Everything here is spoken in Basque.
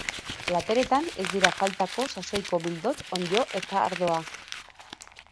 Plateretan, ez dira faltako sasoiko bildots, onddo eta ardoa.